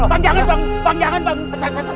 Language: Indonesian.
bang jangan bang